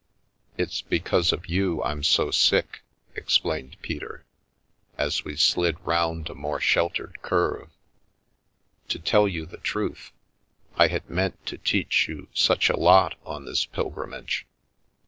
" It's because of you I'm so sick," explained Peter, as we slid round a more sheltered curve. " To tell you the truth, I had meant to teach you such a lot on this pilgrimage